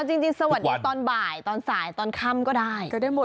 เอาจริงสวัสดีตอนบ่ายตอนสายตอนค่ำก็ได้